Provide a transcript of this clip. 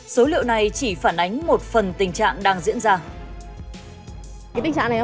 số liệu này chỉ phản ánh một phần tình trạng đang diễn ra